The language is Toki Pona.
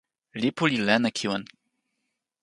lipu li len e kiwen.